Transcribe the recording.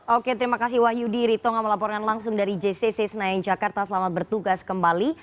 oke terima kasih wahyu diritonga melaporan langsung dari jcc senayan jakarta selamat bertugas kembali